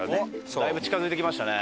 だいぶ近付いてきましたね。